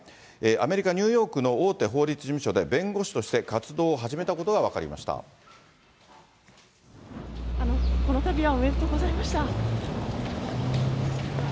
アメリカ・ニューヨークの大手法律事務所で弁護士として活動を始このたびはおめでとうございました。